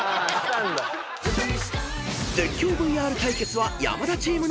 ［絶叫ＶＲ対決は山田チームの勝利］